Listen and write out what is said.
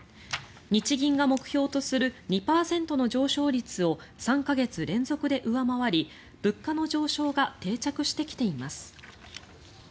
日銀が目標とする２％の上昇率を３か月連続で上回り物価の上昇が定着してきています。